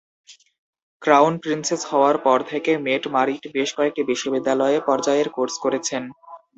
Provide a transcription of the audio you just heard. Crown princess হওয়ার পর থেকে মেট-মারিট বেশ কয়েকটি বিশ্ববিদ্যালয় পর্যায়ের কোর্স করেছেন।